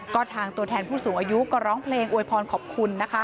ก็ทางตัวแทนผู้สูงอายุก็ร้องเพลงอวยพรขอบคุณนะคะ